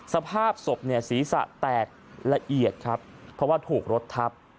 สภาพศพเนี่ยศีรษะแตกละเอียดครับเพราะว่าถูกรถทับ